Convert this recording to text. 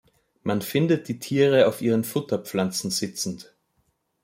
Man findet die Tiere auf ihren Futterpflanzen sitzend.